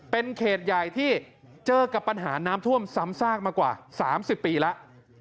เป็นเขตใหญ่ที่เจอกับปัญหาน้ำท่วมซ้ำซากมากว่า๓๐ปีแล้ว